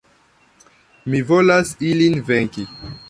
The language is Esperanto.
Mi volas ilin venki.